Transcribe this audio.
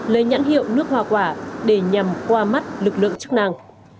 lấy nhãn hiệu nước hoa quả để nhằm qua mắt lực lượng chức năng